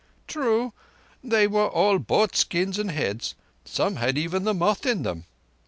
"True. They were all bought skins and heads. Some had even the moth in them."